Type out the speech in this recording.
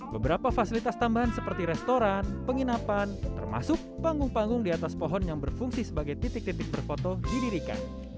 beberapa fasilitas tambahan seperti restoran penginapan termasuk panggung panggung di atas pohon yang berfungsi sebagai titik titik berfoto didirikan